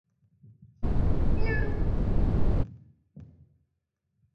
এরফলে প্রথম দক্ষিণ আফ্রিকান হিসেবে ওডিআইয়ে দুইবার পাঁচ উইকেট লাভ করেন।